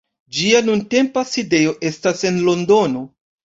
Ĝia nuntempa sidejo estas en Londono.